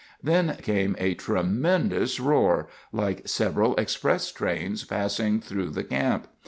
Then came a tremendous roar, like several express trains passing right through the camp.